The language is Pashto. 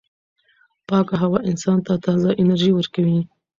پاکه هوا انسان ته تازه انرژي ورکوي.